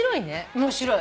面白い。